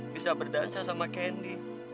bisa berdansa sama candy